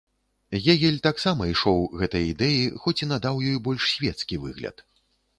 Гегель таксама ішоў гэтай ідэі, хоць і надаў ёй больш свецкі выгляд.